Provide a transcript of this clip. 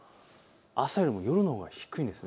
朝よりも夜のほうが低いんです。